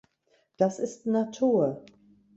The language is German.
Das ist Natur.